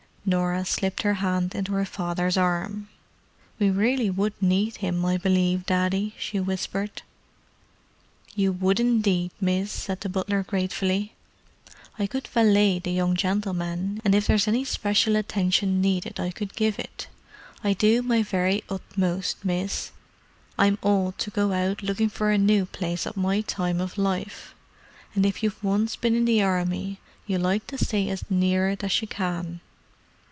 Norah slipped her hand into her father's arm. "We really would need him, I believe, Daddy," she whispered. "You would, indeed, miss," said the butler gratefully. "I could valet the young gentlemen, and if there's any special attention needed, I could give it. I'd do my very utmost, miss. I'm old to go out looking for a new place at my time of life. And if you've once been in the Army, you like to stay as near it as you can."